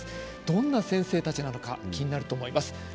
どんな先生たちなのか気になると思います。